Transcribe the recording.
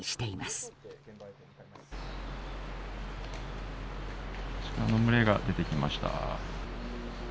シカの群れが出てきました。